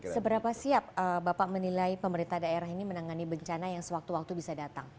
seberapa siap bapak menilai pemerintah daerah ini menangani bencana yang sewaktu waktu bisa datang